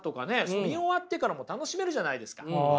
見終わってからも楽しめるじゃないですか。